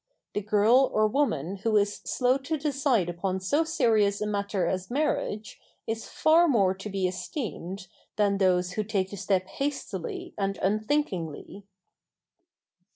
The girl or woman who is slow to decide upon so serious a matter as marriage is far more to be esteemed than those who take the step hastily and unthinkingly.